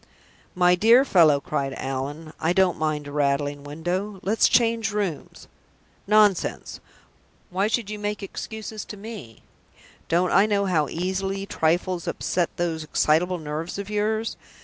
"My dear fellow!" cried Allan, "I don't mind a rattling window. Let's change rooms. Nonsense! Why should you make excuses to me? Don't I know how easily trifles upset those excitable nerves of yours?